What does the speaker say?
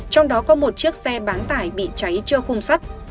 trong đó có một chiếc xe bán tải bị cháy trơ khung sắt